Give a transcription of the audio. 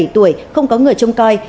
sáu mươi bảy tuổi không có người trông coi